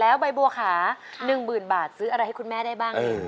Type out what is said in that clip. แล้วน้องใบบัวร้องได้หรือว่าร้องผิดครับ